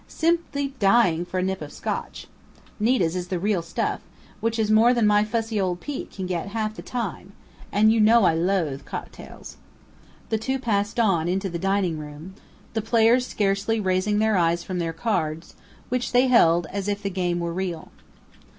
Simply dying for a nip of Scotch! Nita's is the real stuff which is more than my fussy old Pete can get half the time! and you know I loathe cocktails." The two passed on into the dining room, the players scarcely raising their eyes from their cards, which they held as if the game were real.